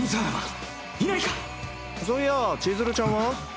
そういやちづるちゃんは？